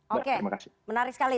oke menarik sekali